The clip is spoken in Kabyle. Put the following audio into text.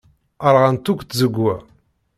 Rɣant akk tẓegwa.